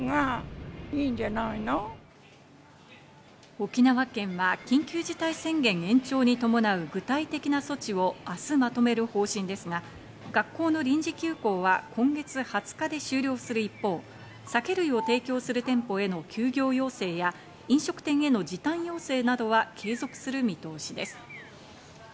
沖縄県は緊急事態宣言延長に伴う具体的な措置を明日まとめる方針ですが、学校の臨時休校は今月２０日で終了する一方、酒類を提供する店舗への休業要請や飲食店への時短要請などは継続する見通しです。